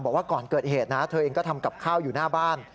บอกว่าก่อนเกิดเหตุนะเธอเองก็ทำกับข้าวอยู่หน้าบ้าน